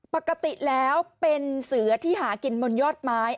ปกติแล้วเป็นเสือที่หากินบนยอดไม้